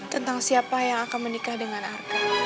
tentang siapa yang akan menikah dengan arke